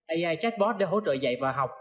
ai chatbot để hỗ trợ dạy và học